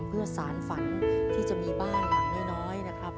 เพื่อสารฝันที่จะมีบ้านอย่างน้อยนะครับ